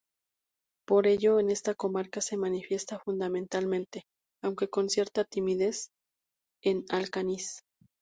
Por ello en esta comarca se manifiesta fundamentalmente, aunque con cierta timidez, en Alcañiz.